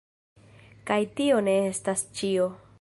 Kaj tio ne estas ĉio!